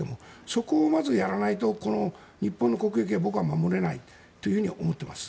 そこをまずやらないと日本の国益が僕は守れないと思っています。